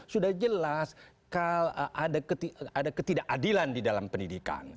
sudah jelas ada ketidakadilan di dalam pendidikan